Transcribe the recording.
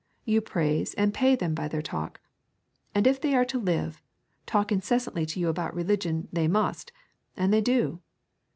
You praise and pay them by their talk. And if they are to live, talk incessantly to you about religion they must, and they do.